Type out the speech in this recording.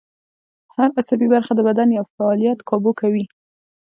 هر عصبي برخه د بدن یو فعالیت کابو کوي